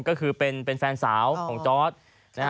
ก็คือเป็นแฟนสาวของจอร์ธ